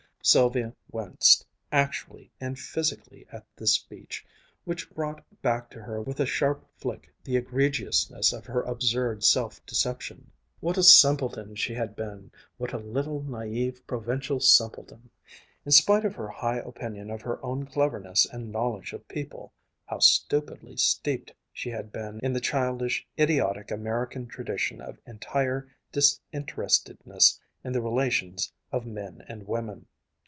Sylvia winced, actually and physically, at this speech, which brought back to her with a sharp flick the egregiousness of her absurd self deception. What a simpleton she had been what a little naïve, provincial simpleton! In spite of her high opinion of her own cleverness and knowledge of people, how stupidly steeped she had been in the childish, idiotic American tradition of entire disinterestedness in the relations of men and women.